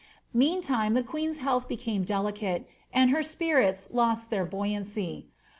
3Ieantime, the queen's hodth became delicate, and her spirits lost their baoyancy.